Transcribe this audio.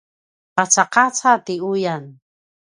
qacaqaca ti uyan